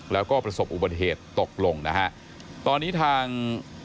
แล้วก็ประสบอุบัติเหตุตกลง